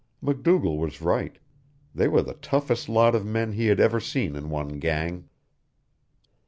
MacDougall was right. They were the toughest lot of men he had ever seen in one gang.